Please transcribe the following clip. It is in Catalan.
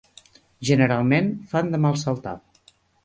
Generalment fan de mal saltar